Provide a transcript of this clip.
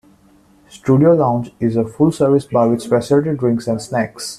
Studio Lounge is a full-service bar with specialty drinks and snacks.